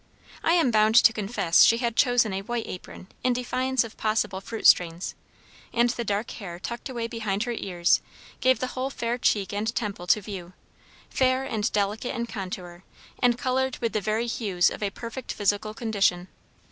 I am bound to confess she had chosen a white apron in defiance of possible fruit stains; and the dark hair tucked away behind her ears gave the whole fair cheek and temple to view; fair and delicate in contour, and coloured with the very hues of a perfect physical condition.